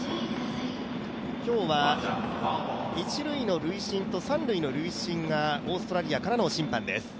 一塁の塁審と三塁の塁審がオーストラリアからの審判です。